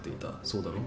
そうだろ？